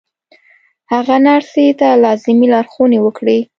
هغه نرسې ته لازمې لارښوونې وکړې